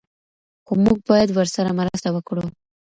خو موږ باید ورسره مرسته وکړو.